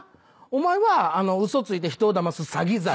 お前は嘘ついて人をだます詐欺罪。